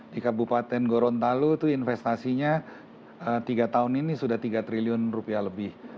di kabupaten gorontalo itu investasinya tiga tahun ini sudah tiga triliun rupiah lebih